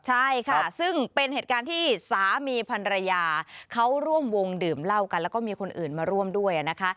ใช่ค่ะซึ่งเป็นเหตุการณ์ที่สามีพันรยาเขาร่วมวงดื่มเหล้ากันแล้วก็มีคนอื่นมาร่วมด้วยนะคะ